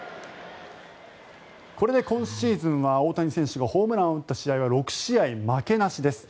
これで今シーズンは大谷選手がホームランを打った試合は６試合、負けなしです。